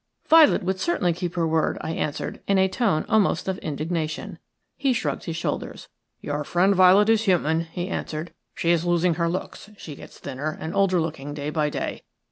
"Violet would certainly keep her word," I answered, in a tone almost of indignation. He shrugged his shoulders. "Your friend Violet is human," he answered. "She is losing her looks; she gets thinner and older looking day by day.